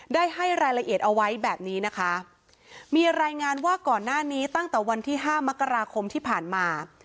ได้ให้รายละเอียดเอาไว้แบบนี้นะคะมีรายงานว่าก่อนหน้านี้ตั้งแต่วันที่ห้ามกราคมที่ผ่านมา